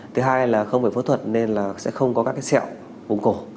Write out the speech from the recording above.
thứ hai là không phải phẫu thuật nên là sẽ không có các sẹo vùng cổ